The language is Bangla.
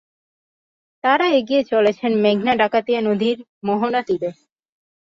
তারা এগিয়ে চলেছেন মেঘনা-ডাকাতিয়া নদীর মোহনা দিকে।